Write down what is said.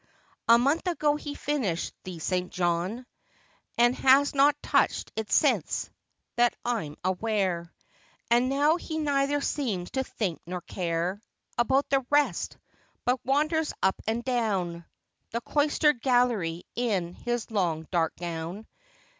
A month ago he finished the St. John, And has not touched it since. That I'm aware; And now he neither seems to think nor care About the rest, but wanders up and down The cloistered gallery in his long dark gown.